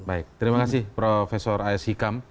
baik terima kasih profesor a s hikam